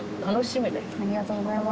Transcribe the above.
ありがとうございます。